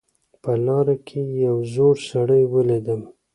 په لاره کې یو زوړ سړی ولیدم